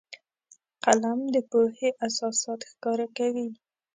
قلم د پوهې اساسات ښکاره کوي